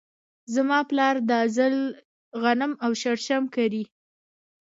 زما پلار دا ځل غنم او شړشم کري.